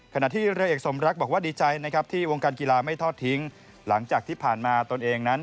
ขณะที่เรือเอกสมรักบอกว่าดีใจนะครับที่วงการกีฬาไม่ทอดทิ้งหลังจากที่ผ่านมาตนเองนั้น